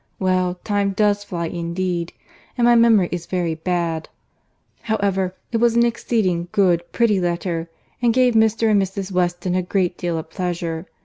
Well, time does fly indeed!—and my memory is very bad. However, it was an exceeding good, pretty letter, and gave Mr. and Mrs. Weston a great deal of pleasure.